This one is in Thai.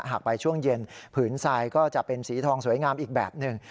หากไปช่วงเย็นผืนทรายก็จะเป็นสีทองสวยงามอีกแบบหนึ่ง